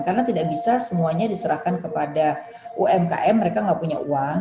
karena tidak bisa semuanya diserahkan kepada umkm mereka tidak punya uang